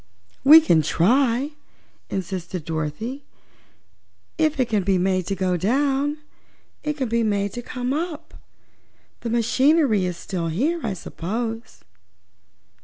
"We can try," insisted Dorothy. "If it can be made to go down, it can be made to come up. The machinery is still here, I suppose.